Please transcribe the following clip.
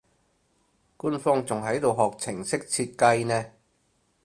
官方仲喺度學程式設計呢